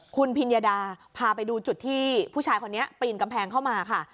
คุณพิญญาดาพาไปดูจุดที่ผู้ชายคนนี้ปีนกำแพงเข้ามาค่ะ